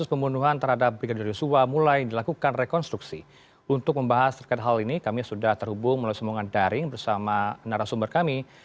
selamat siang mas dara